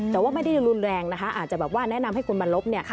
แต่ว่าไม่ได้รุนแรงนะคะอาจจะแบบว่าแนะนำให้คุณมาลบ